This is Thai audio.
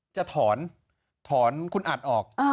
จะถอนคุณอัดออก